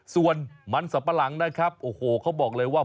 ส่วนมันสัมปะหลังเขาบอกเลยว่า